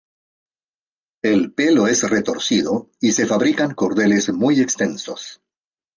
El pelo es retorcido y se fabrican cordeles muy extensos.